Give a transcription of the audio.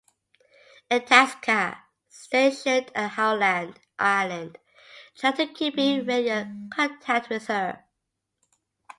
"Itasca", stationed at Howland Island, tried to keep in radio contact with her.